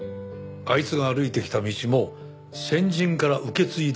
あいつが歩いてきた道も先人から受け継いだものだ。